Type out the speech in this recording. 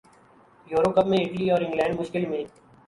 euro Cup میں Italy اور England مشکل میں